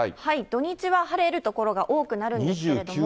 土日は晴れる所が多くなるんですけれども。